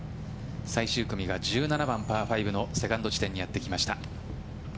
最終組が１７番、パー５のセカンド地点にやってきました。